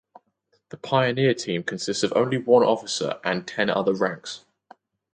The pioneer team consists of only one officer and ten other ranks.